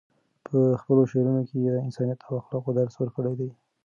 په خپلو شعرونو کې یې د انسانیت او اخلاقو درس ورکړی دی.